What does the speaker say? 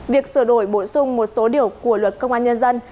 việc sửa đổi bổ sung một số điều của luật công an nhân dân